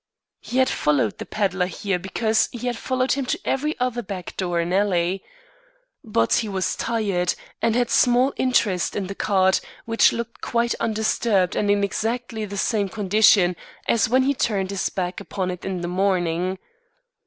He had followed the peddler here because he had followed him to every other back door and alley. But he was tired and had small interest in the cart which looked quite undisturbed and in exactly the same condition as when he turned his back upon it in the morning.